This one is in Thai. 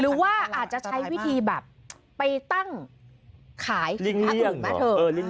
หรือว่าอาจจะใช้วิธีแบบไปตั้งขายอาวุธมาเถิบ